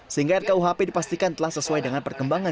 sehingga rkuhp dipastikan telah sesuai dengan perkembangan